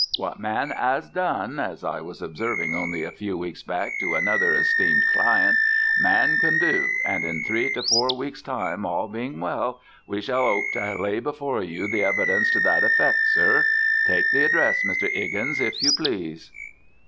What man 'as done, as I was observing only a few weeks back to another esteemed client, man can do, and in three to four weeks' time, all being well, we shall 'ope to lay before you evidence to that effect, sir. Take the address, Mr. 'Iggins, if you please."